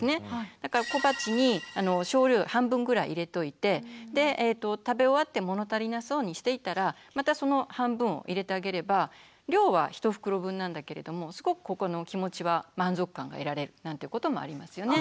だから小鉢に少量半分ぐらい入れといて食べ終わって物足りなそうにしていたらまたその半分を入れてあげれば量は１袋分なんだけれどもすごく気持ちは満足感が得られるなんてこともありますよね。